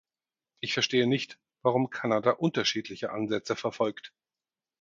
Ich verstehe nicht, warum Kanada unterschiedliche Ansätze verfolgt.